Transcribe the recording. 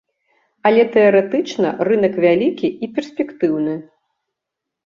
Але тэарэтычна рынак вялікі і перспектыўны.